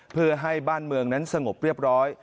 เพื่อให้บ้านเมืองนั้นสงบเรียบร้อย